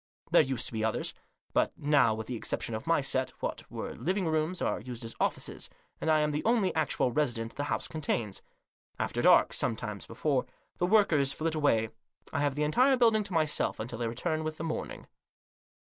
There used to be others. But now, with the exception of my set, what were living rooms are used as offices, and I am the only actual resident the house contains. After dark — sometimes before — the workers flit away. I have the entire building to myself until they return with the morning.